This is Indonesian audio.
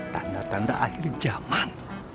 tanda tanda akhir zaman